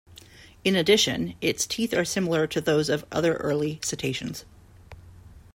In addition, its teeth are similar to those of other early cetaceans.